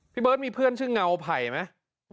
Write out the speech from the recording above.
เบิร์ตมีเพื่อนชื่อเงาไผ่ไหม